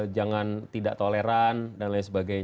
jangan tidak toleran dsb